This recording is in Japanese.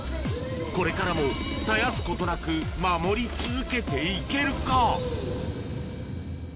これからも絶やすことなく守り続けていけるか。